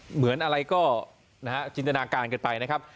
เหมือนอะไรก็นะฮะจินตนาการกันไปนะครับ